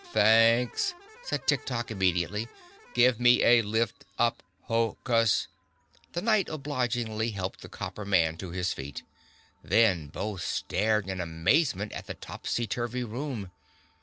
"Thanks," said Tik Tok immediately. "Give me a lift up, Ho kus." The Knight obligingly helped the Copper Man to his feet. Then both stared in amazement at the topsy turvy room.